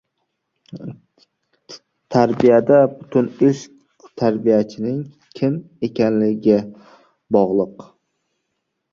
Tarbiyada butun ish tarbiyachiniig kim ekanligiga bog‘lpq.